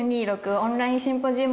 オンラインシンポジウム